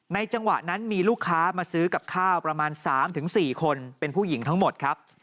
จังหวะนั้นมีลูกค้ามาซื้อกับข้าวประมาณ๓๔คนเป็นผู้หญิงทั้งหมดครับ